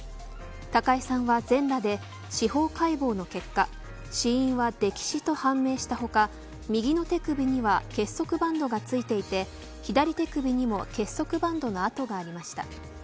高井さんは全裸で司法解剖の結果、死因は溺死と判明した他右の手首には結束バンドがついていて左手首にも結束バンドの痕がありました。